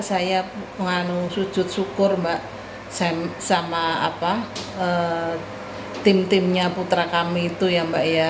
saya menganu sujud syukur mbak sama tim timnya putra kami itu ya mbak ya